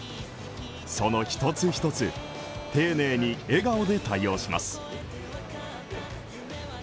その一つ一つ丁寧に笑顔で対応します。